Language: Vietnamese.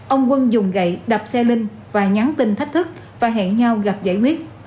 ông quân dùng gậy đập xe linh và nhắn tin thách thức và hẹn gặp nhau gặp giải quyết